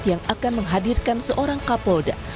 yang akan menghadirkan seorang kapolda